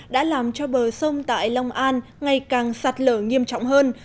đã làm cho bờ sông tại long an ngày càng sạt lở nghiêm trọng hơn